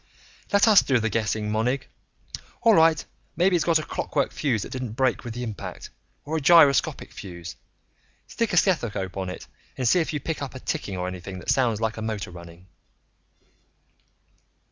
"Let us do the guessing, Monig. All right, maybe it's got a clockwork fuse that didn't break with the impact. Or a gyroscopic fuse. Stick a stethoscope on it and see if you pick up a ticking or anything that sounds like a motor running."